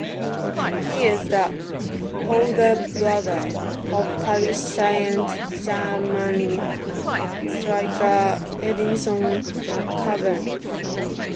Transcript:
He is the older brother of Paris Saint-Germain striker Edinson Cavani.